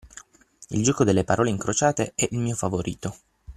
Il gioco delle parole incrociate è il mio favorito.